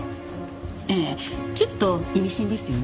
ええちょっと意味深ですよね？